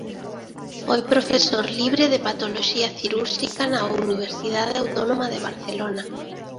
Foi profesor libre de patoloxía cirúrxica da Universidade Autónoma de Barcelona.